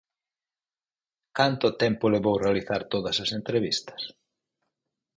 Canto tempo levou realizar todas as entrevistas?